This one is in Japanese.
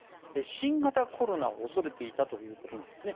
新型コロナを恐れていたということなんですね。